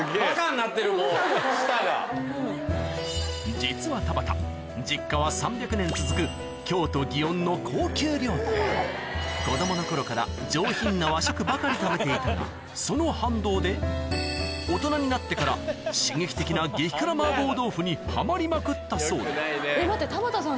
実は田畑実家は子供の頃から上品な和食ばかり食べていたがその反動で大人になってから刺激的な激辛麻婆豆腐にハマりまくったそうで待って田畑さん。